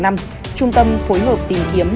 trung tâm phối hợp tìm kiếm